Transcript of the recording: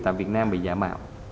tại việt nam bị giả mạng